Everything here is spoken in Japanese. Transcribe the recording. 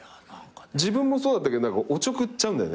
自分もそうだったけどおちょくっちゃうんだよね。